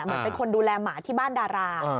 เหมือนเป็นคนดูแลหมาที่บ้านดารา